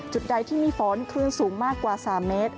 จุดใดที่มีฝนคลื่นสูงมากกว่า๓เมตร